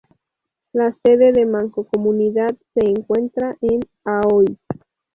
La sede de la mancomunidad se encuentra en Aoiz.